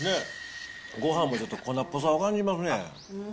ごはんもちょっと粉っぽさを感じますね。